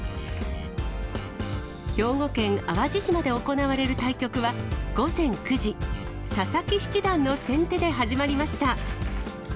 兵庫県淡路島で行われる対局は、午前９時、佐々木七段の先手で始まりました。